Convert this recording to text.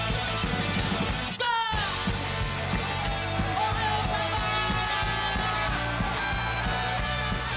おはようございます！